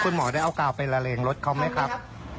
คุณหมอได้เอากาวไปละเลงรถเขาไหมครับ